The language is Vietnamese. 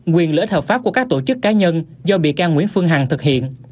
quyền lợi ích hợp pháp của các tổ chức cá nhân do bị can nguyễn phương hằng thực hiện